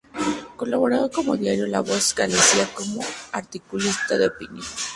Colaboraba en el diario La Voz de Galicia como articulista de opinión.